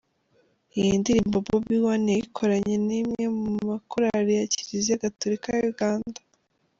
Iyi ndirimbo Bobi Wine yayikoranye n'imwe mu makorali ya Kiliziya Gaturika ya Uganda.